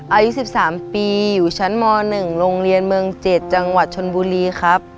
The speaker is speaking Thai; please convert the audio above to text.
อายุ๑๓ปีอยู่ชั้นม๑โรงเรียนเมือง๗จังหวัดชนบุรีครับ